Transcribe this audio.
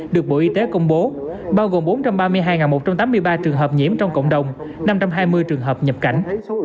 được bộ y tế công bố bao gồm bốn trăm ba mươi hai một trăm tám mươi ba trường hợp nhiễm trong cộng đồng năm trăm hai mươi trường hợp nhập cảnh